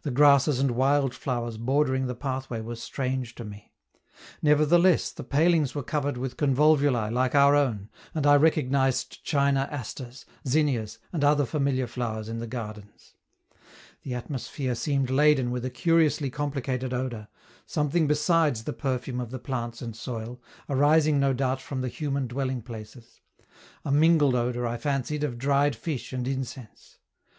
The grasses and wild flowers bordering the pathway were strange to me; nevertheless, the palings were covered with convolvuli like our own, and I recognized china asters, zinnias, and other familiar flowers in the gardens. The atmosphere seemed laden with a curiously complicated odor, something besides the perfume of the plants and soil, arising no doubt from the human dwelling places a mingled odor, I fancied, of dried fish and incense.